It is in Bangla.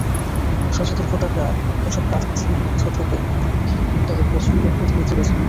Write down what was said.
সচেতন ভোটাররা এসব প্রার্থীর মধ্য থেকে তাঁদের পছন্দের প্রতিনিধি বেছে নেবেন।